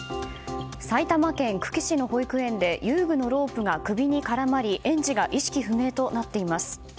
埼玉県久喜市の保育園で遊具のロープが首に絡まり園児が意識不明となっています。